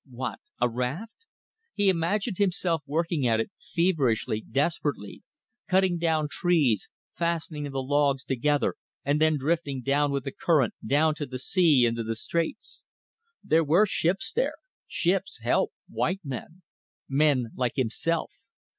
What? A raft! He imagined himself working at it, feverishly, desperately; cutting down trees, fastening the logs together and then drifting down with the current, down to the sea into the straits. There were ships there ships, help, white men. Men like himself.